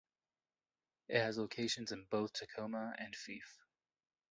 It has locations in both Tacoma and Fife.